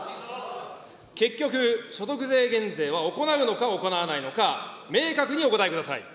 結局、所得税減税を行うのか行わないのか、明確にお答えください。